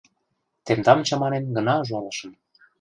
— Тендам чаманен гына ужалышым.